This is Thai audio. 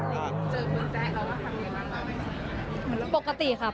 เจอคุณแจ๊ะเราก็ทำอย่างไรบ้าง